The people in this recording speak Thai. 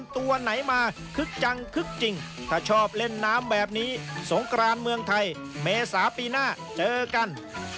ถ้าชอบเล่นน้ำแบบนี้สงครามเมืองไทยเมษาปีหน้าเจอกัน